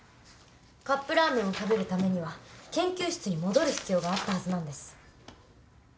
カップラーメンを食べるためには研究室に戻る必要があったはずなんです。